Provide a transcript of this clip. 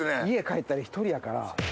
家帰ったら１人やから。